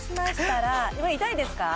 痛いですか？